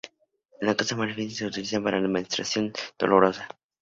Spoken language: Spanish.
En Costa de Marfil se utiliza para la menstruación dolorosa.